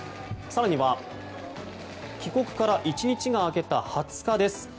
更には、帰国から１日が明けた２０日です。